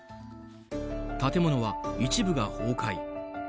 建物は一部が崩壊。